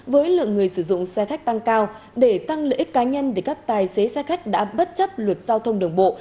với lượng người sử dụng xe khách tăng cao để tăng lợi ích cá nhân các tài xế xe khách đã bất chấp luật giao thông đường bộ